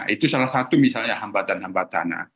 itu salah satu misalnya hambatan hambatan